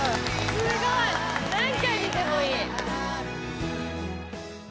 すごい！何回見てもいい。